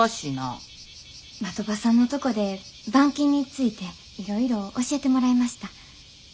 的場さんのとこで板金についていろいろ教えてもらいました。